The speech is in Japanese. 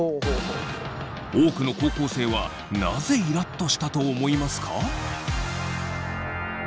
多くの高校生はなぜイラッとしたと思いますか？